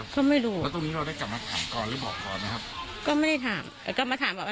ก็ไม่มีด้วยนะครับก็ไม่ได้ถามเอ่อก็มาถามอะไรกัน